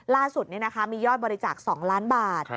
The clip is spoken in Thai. ล่าสุดมียอดบริจาค๒ล้านบาท